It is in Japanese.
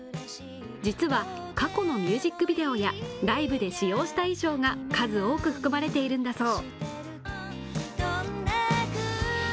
実は過去のミュージックビデオやライブで使用した衣装が数多く含まれているんだそう。